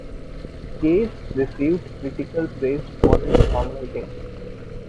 Case received critical praise for his songwriting.